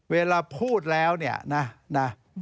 เวลาพูดแล้วเนี่ยนะ